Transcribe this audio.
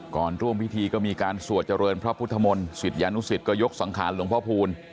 ร่วมพิธีก็มีการสวดเจริญพระพุทธมนต์ศิษยานุสิตก็ยกสังขารหลวงพ่อพูล